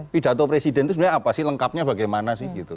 pidato presiden itu sebenarnya apa sih lengkapnya bagaimana sih gitu